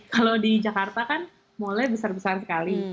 kalau di jakarta kan mall nya besar besar sekali